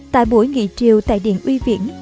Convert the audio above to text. tại buổi nghị triều tại điện uy viễn